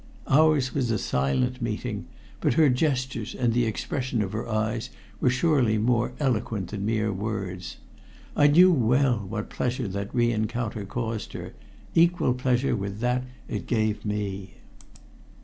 Ours was a silent meeting, but her gestures and the expression of her eyes were surely more eloquent than mere words. I knew well what pleasure that re encounter caused her equal pleasure with that it gave to me.